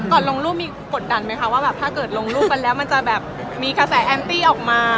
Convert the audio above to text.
ลงรูปมีกดดันไหมคะว่าแบบถ้าเกิดลงรูปกันแล้วมันจะแบบมีกระแสแอนตี้ออกมา